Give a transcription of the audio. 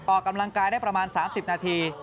ออกกำลังกายได้ประมาณ๓๐นาที